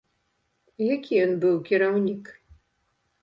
Які ён быў кіраўнік?